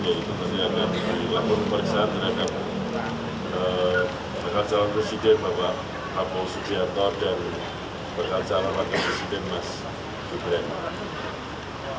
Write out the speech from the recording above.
yaitu penyelenggaraan di laporan pemeriksaan terhadap bakal calon resident bapak pak paul sudiator dan bakal calon wakil resident mas gebrek